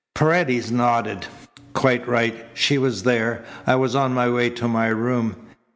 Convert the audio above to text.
Paredes nodded. "Quite right. She was there. I was on my way to my room.